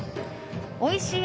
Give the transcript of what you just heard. おいしい